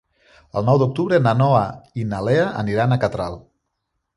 El nou d'octubre na Noa i na Lea aniran a Catral.